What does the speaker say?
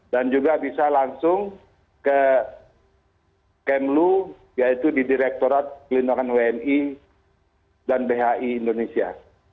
dan juga bisa langsung ke kemlu yaitu di direktorat pelindungan wni dan bhi indonesia